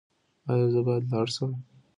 ایا زه باید لاړ شم؟